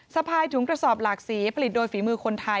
สะพายถุงกระสอบหลากสีผลิตโดยฝีมือคนไทย